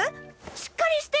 しっかりして！